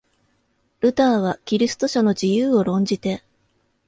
ルターはキリスト者の自由を論じて、